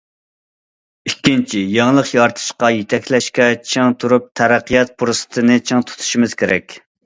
ئىككىنچى، يېڭىلىق يارىتىشقا يېتەكلەشتە چىڭ تۇرۇپ، تەرەققىيات پۇرسىتىنى چىڭ تۇتۇشىمىز كېرەك.